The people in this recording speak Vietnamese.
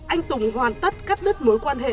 anh tùng hoàn tất cắt đứt mối quan hệ